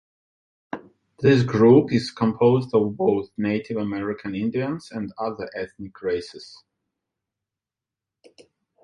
This group is composed of both Native American Indians and other ethnic races.